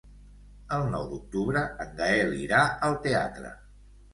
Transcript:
El nou d'octubre en Gaël irà al teatre.